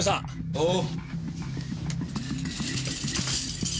おう。